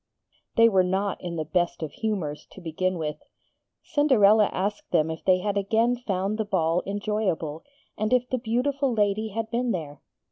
They were not in the best of humours, to begin with. Cinderella asked them if they had again found the ball enjoyable, and if the beautiful lady had been there.